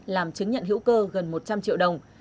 làm chứng nhận hữu cơ gần một trăm linh triệu đồng